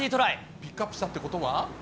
ピックアップしたってことは？